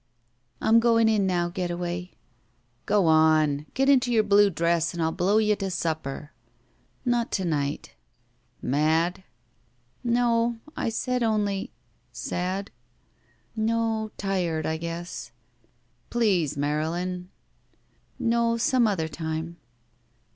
"I'm going in now, Getaway." "Gowann! Get into your blue dress and I'll blow you to supper." ''Not to night." "Mad?" "No. I said only— " "Sad?" "No— tired— I guess." "Please, Marylin." "No. Some other time."